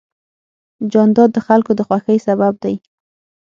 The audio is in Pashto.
جانداد د خلکو د خوښۍ سبب دی.